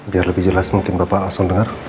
biar lebih jelas mungkin bapak langsung dengar